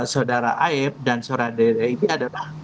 saudara aep dan saudara dda ini adalah